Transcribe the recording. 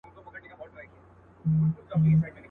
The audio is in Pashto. له ناکامه یې ځان سیند ته ور ایله کړ.